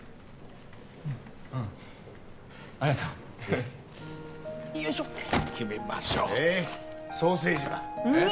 うんうんありがとうよいしょ決めましょうソーセージはえっ？